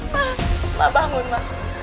ma ma bangun ma